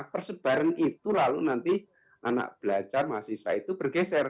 persebaran itu lalu nanti anak belajar mahasiswa itu bergeser